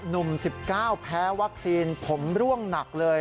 ๑๙แพ้วัคซีนผมร่วงหนักเลย